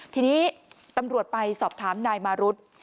ทีนี้ตำรวจไปสอบถามนายมารุธ